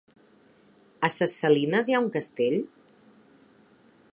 A Ses Salines hi ha un castell?